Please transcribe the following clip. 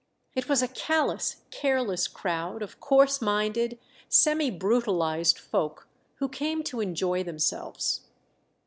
It was a callous, careless crowd of coarse minded, semi brutalized folk, who came to enjoy themselves.